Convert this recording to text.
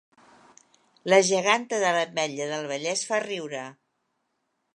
La geganta de l'Ametlla del Vallès fa riure